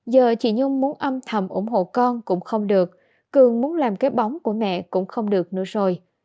giờ chị nhung muốn âm thầm ủng hộ con cũng không được cường muốn làm cái bóng của mẹ cũng không được nữa rồi